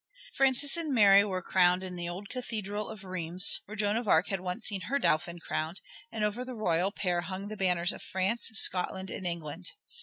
Francis and Mary were crowned in the old Cathedral of Rheims, where Joan of Arc had once seen her Dauphin crowned, and over the royal pair hung the banners of France, Scotland, and England.